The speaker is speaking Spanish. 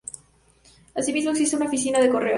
Asimismo existe una oficina de correos.